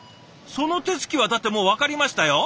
その手つきはだってもう分かりましたよ。